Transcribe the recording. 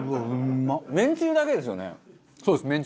そうです